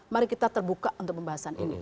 mari kita terbuka untuk pembahasan ini